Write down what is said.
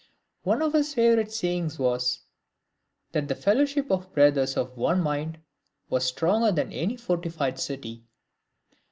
One of his favourite sayings was, " That the fellow ship of brothers of one mind was stronger than any fortified city."